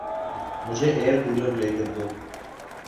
مجھے air cooler لے کر دو